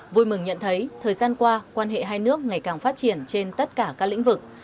vui mừng nhận thấy thời gian qua quan hệ hai nước ngày càng phát triển trên tất cả các lĩnh vực